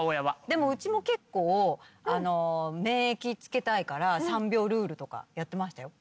でもうちも結構免疫つけたいから３秒ルールとかやってましたよ。